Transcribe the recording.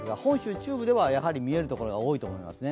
中部では見える所が多いと思います。